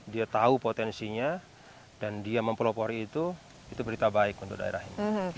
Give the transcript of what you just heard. dia tahu potensinya dan dia mempelopori itu itu berita baik untuk daerah ini